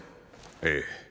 ええ。